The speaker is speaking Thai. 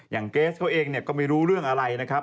อย่างเกสเขาเองก็ไม่รู้เรื่องอะไรนะครับ